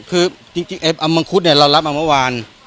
คือจริงไอ้อำมังคุดเนี่ยเรารับมาเมื่อวาน